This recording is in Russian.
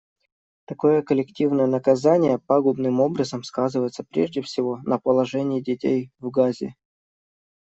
Такое коллективное наказание пагубным образом сказывается, прежде всего, на положении детей в Газе.